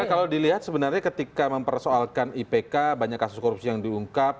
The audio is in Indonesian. karena kalau dilihat sebenarnya ketika mempersoalkan ipk banyak kasus korupsi yang diungkap